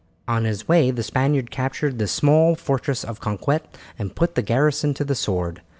On his way the Spaniard captured the small fortress of Conquet and put the garrison to the sword.